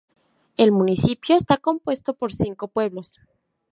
El municipio está compuesto por cinco pueblos.